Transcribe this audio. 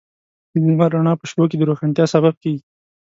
د لمر رڼا په شپو کې د روښانتیا سبب کېږي.